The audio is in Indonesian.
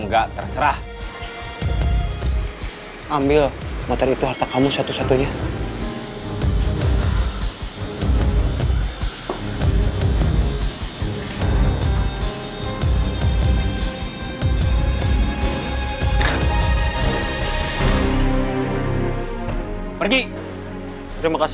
gak usah dibawa masuk ke pasar